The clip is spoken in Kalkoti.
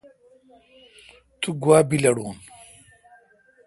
تو گوا بیلڑون۔